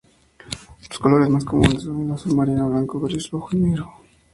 Los colores más comunes son el azul marino, blanco, gris, rojo y negro.